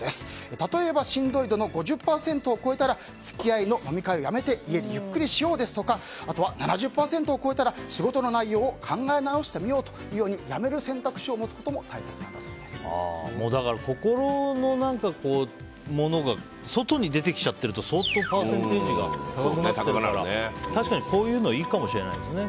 例えば、しんどい度の５０％を超えたら付き合いの飲み会をやめて家でゆっくりしようですとかあとは、７０％を超えたら仕事の内容を考え直してみようというようにやめる選択肢を持つことも心のものが外に出てきちゃってると相当、パーセンテージが高くなってるから確かにこういうのいいかもしれないですね。